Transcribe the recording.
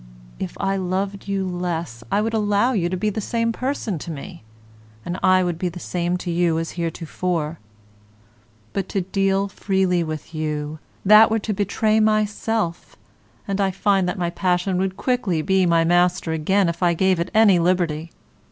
If I loved you less I would allow you to be the same person to me, and I would be the same to you as heretofore. But to deal freely with you, that were to betray myself, and I find that my passion would quickly be my master again if I gave it any liberty.